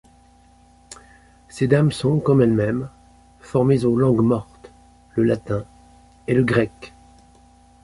Ces dames sont, comme elle-même, formées aux langues mortes, le latin et le grec.